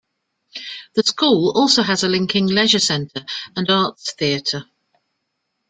The school also has a linking leisure centre and arts theatre.